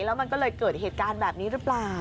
แล้วมันก็เลยเกิดเหตุการณ์แบบนี้หรือเปล่า